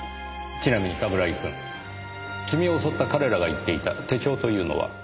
ちなみに冠城くん君を襲った彼らが言っていた手帳というのは？